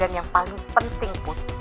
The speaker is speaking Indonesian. dan yang paling penting put